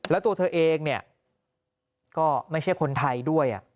แล้วตัวเธอเองเนี่ยก็ไม่ใช่คนไทยด้วย